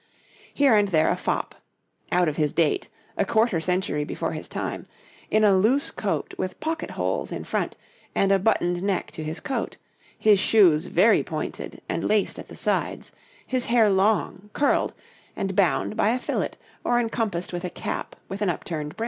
Here and there a fop out of his date, a quarter century before his time in a loose coat with pocket holes in front and a buttoned neck to his coat, his shoes very pointed and laced at the sides, his hair long, curled, and bound by a fillet or encompassed with a cap with an upturned brim.